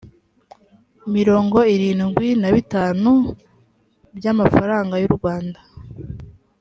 mirongo irindwi na bitanu by amafaranga y u rwanda